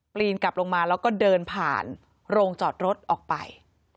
ปีนกลับลงมาแล้วก็เดินผ่านโรงจอดรถออกไป